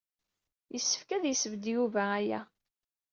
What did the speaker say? Yessefk ad yessebded Yuba aya.